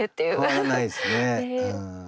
変わらないですねうん。